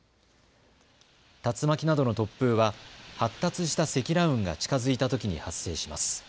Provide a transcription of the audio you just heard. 竜巻などの突風は発達した積乱雲が近づいたときに発生します。